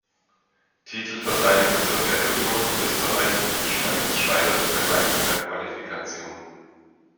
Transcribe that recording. Titelverteidiger Sowjetunion, Österreich und die Schweiz scheiterten bereits in der Qualifikation.